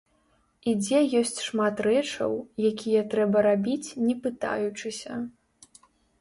І дзе ёсць шмат рэчаў, якія трэба рабіць не пытаючыся.